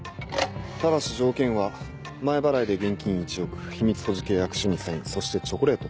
ただし条件は前払いで現金１億秘密保持契約書にサインそしてチョコレート。